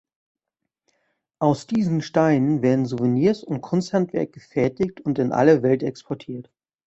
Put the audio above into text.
Aus diesen Steinen werden Souvenirs und Kunsthandwerk gefertigt und in alle Welt exportiert.